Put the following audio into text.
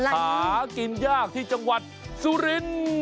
หากินยากที่จังหวัดสุรินทร์